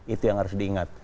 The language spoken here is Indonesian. itu yang harus diingat